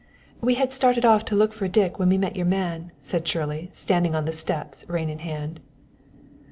"We had started off to look for Dick when we met your man," said Shirley, standing on the steps, rein in hand.